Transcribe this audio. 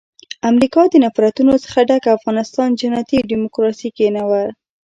امریکا د نفرتونو څخه ډک افغانستان جنتي ډیموکراسي کښېناوه.